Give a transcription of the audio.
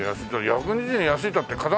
１２０円安いったって火山